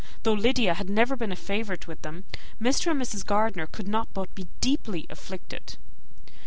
Though Lydia had never been a favourite with them, Mr. and Mrs. Gardiner could not but be deeply affected.